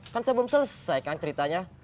kan saya belum selesai kan ceritanya